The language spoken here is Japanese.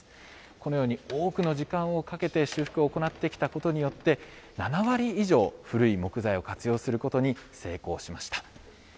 このように多くの時間をかけて修復を行ってきたことによって、７割以上、古い木材を活用することに成功しました。